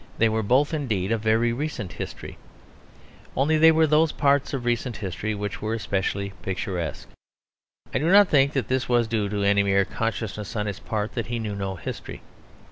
They were both, indeed, of very recent history; only they were those parts of recent history which were specially picturesque. I do not think that this was due to any mere consciousness on his part that he knew no history.